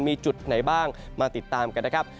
มีจุดไหนบ้างมาติดตามกันนะครับ